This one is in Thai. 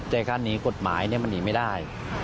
ใจฆ่าหนีกฎหมายนี่มันหนีไม่ได้